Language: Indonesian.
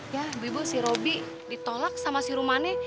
ya bibo si robi ditolak sama si rumane